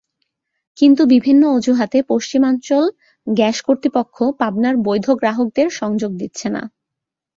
কিন্তু বিভিন্ন অজুহাতে পশ্চিমাঞ্চল গ্যাস কর্তৃপক্ষ পাবনার বৈধ গ্রাকহদের সংযোগ দিচ্ছে না।